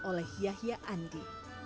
oleh yahya andi